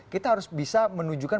kita harus bisa menunjukkan